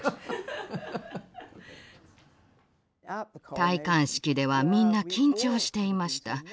戴冠式ではみんな緊張していました。